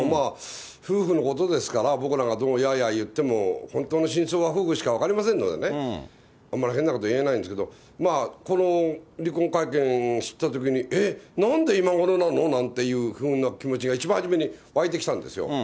夫婦のことですから、僕らがやあやあ言っても、本当の真相は夫婦しか分かりませんのでね、あんま変なこと言えないんですけど、この離婚会見知ったときに、えっ、なんで今ごろなの？なんていうふうな気持ちが一番初めに湧いてきたんですよ。